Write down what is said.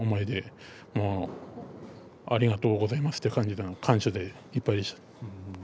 ありがとうございますという感じで感謝でいっぱいでした。